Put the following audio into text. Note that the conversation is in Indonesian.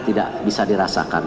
tidak bisa dirasakan